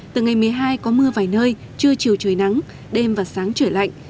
từ ngày một mươi hai có mưa vài nơi trưa chiều trời nắng đêm và sáng trời lạnh